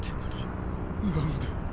何で。